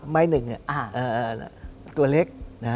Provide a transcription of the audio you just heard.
หนึ่งตัวเล็ก